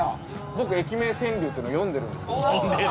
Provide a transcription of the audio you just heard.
僕駅名川柳っていうのを詠んでるんですけど。